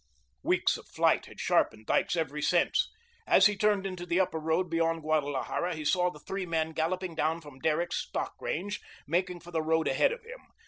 Weeks of flight had sharpened Dyke's every sense. As he turned into the Upper Road beyond Guadalajara, he saw the three men galloping down from Derrick's stock range, making for the road ahead of him.